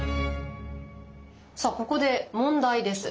さあここで問題です。